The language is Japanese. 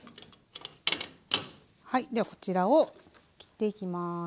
はいではこちらを切っていきます。